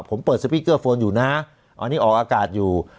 ผมเปิดสปีกเกอร์โฟนอยู่นะอันนี้ออกอากาศอยู่